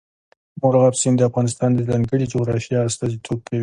مورغاب سیند د افغانستان د ځانګړي جغرافیه استازیتوب کوي.